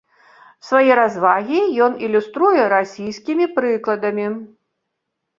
Свае развагі ён ілюструе расійскімі прыкладамі.